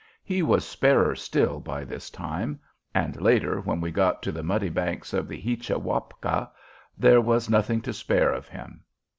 He was sparer still by this time; and later, when we got to the muddy banks of the "Heecha Wapka," there was nothing to spare of him.